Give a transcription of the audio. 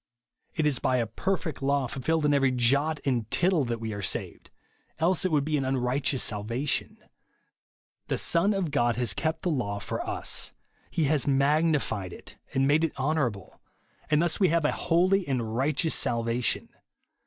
It is JESUS ONLY. 183 by a jierfect law, fulfilled in eveiy "jot and little," that we are saved ; else it would be an unrighteous salvation. The Son of God has kept the law for us ; he has magnified it and made it honourable ; and thus we have a holy and righteous salvation.